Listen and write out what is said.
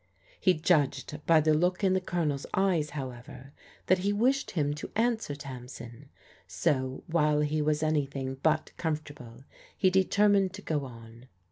He judged by the look in the Colonel's eyes, however, that he wished him lo ^xvswtt 78 PRODIGAL DAUGHTERS Tamsin, so while he was anything but comfortable he determined to go on.